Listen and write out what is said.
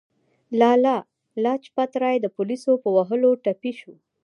لالا لاجپت رای د پولیسو په وهلو ټپي شو.